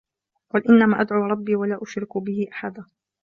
قُل إِنَّما أَدعو رَبّي وَلا أُشرِكُ بِهِ أَحَدًا